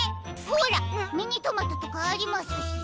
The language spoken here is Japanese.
ほらミニトマトとかありますし。